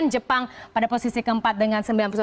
jepang pada posisi ke empat dengan